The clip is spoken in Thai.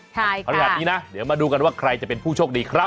เอาขนาดนี้นะเดี๋ยวมาดูกันว่าใครจะเป็นผู้โชคดีครับ